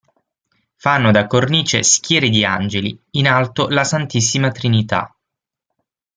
Fanno da cornice schiere di angeli, in alto la Santissima Trinità.